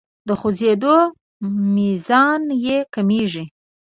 د خوځیدو میزان یې کمیږي.